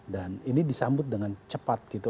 dan ini disambut dengan cepat gitu